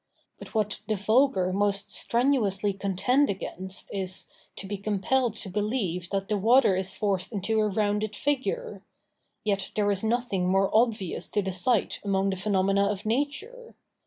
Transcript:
But what the vulgar most strenuously contend against is, to be compelled to believe that the water is forced into a rounded figure; yet there is nothing more obvious to the sight among the phenomena of nature.